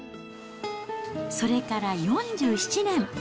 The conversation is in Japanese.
それから４７年。